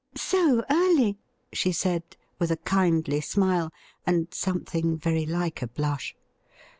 ' So early,' she said with a kindly smile, and something very like a blush.